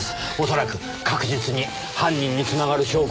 恐らく確実に犯人に繋がる証拠が。